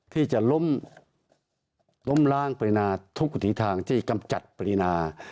ที่จะล้มล้างปริณาทุกที่ทางที่กำจัดปริณา